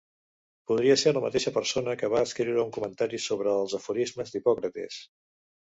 Podria ser la mateixa persona que va escriure un comentari sobre els aforismes d'Hipòcrates.